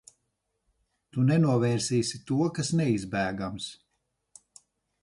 Tu nenovērsīsi to, kas neizbēgams.